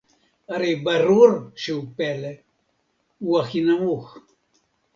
הרי ברור שהוא פלא: הוא הכי נמוך